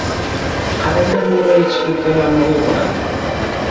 • Qarigan bo‘ri chigirtkalarni ov qilarkan.